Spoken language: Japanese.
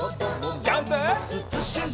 ジャンプ！